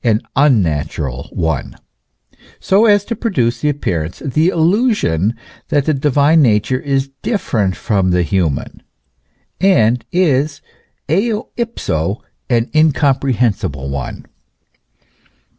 e., an unnatural one, so as to produce the appearance, the illusion, that the divine nature is different from the human, and is eo ipso an incompre hensible one.